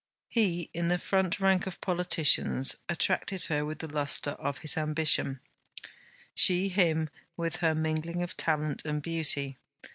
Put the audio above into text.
He in the front rank of politicians attracted her with the lustre of his ambition; she him with her mingling of talent and beauty.